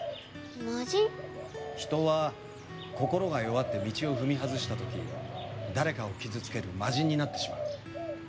人は心が弱って道を踏み外した時誰かを傷つける魔人になってしまう。